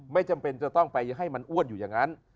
ไม่จำเป็นจะต้องไปให้มันอ้วนอยู่อย่างนั้น